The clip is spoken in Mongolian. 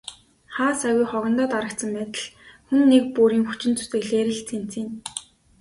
Хаа сайгүй хогондоо дарагдсан байдал хүн нэг бүрийн хүчин зүтгэлээр л цэмцийнэ.